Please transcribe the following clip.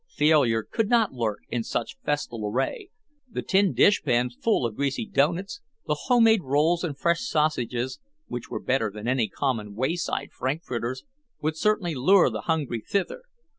Failure could not lurk in such festal array, the tin dishpan full of greasy doughnuts, the homemade rolls and fresh sausages (which were better than any common wayside frankfurters) would certainly lure the hungry thither.